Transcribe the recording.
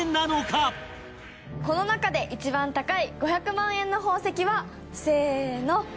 この中で一番高い５００万円の宝石はせーの。